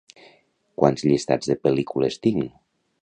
Quants llistats de pel·lícules tinc?